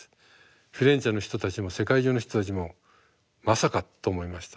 フィレンツェの人たちも世界中の人たちもまさかと思いました。